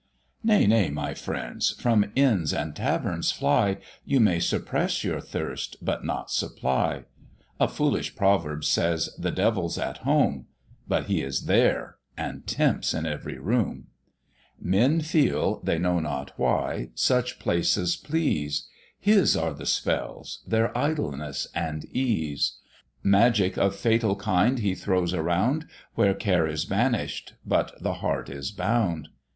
"Nay, nay, my friends, from inns and taverns fly; You may suppress your thirst, but not supply: A foolish proverb says, 'the devil's at home;' But he is there, and tempts in every room: Men feel, they know not why, such places please; His are the spells they're idleness and ease; Magic of fatal kind he throws around, Where care is banish'd, but the heart is bound.